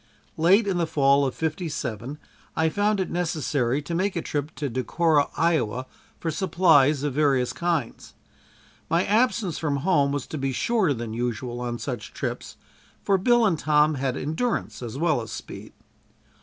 Late in the fall of '57 I found it necessary to make a trip to Decorah, Iowa, for supplies of various kinds. My absence from home was to be shorter than usual on such trips, for Bill and Tom had endurance as well as speed.